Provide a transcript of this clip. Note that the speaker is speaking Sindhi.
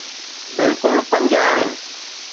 بلڪل پنج آهن